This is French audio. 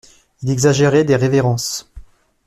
Il exagérait des révérences.